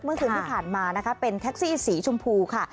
เมื่อคืนที่ผ่านมานะคะเป็นแท็กซี่สีชมพูค่ะ